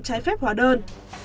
trái phép hóa đơn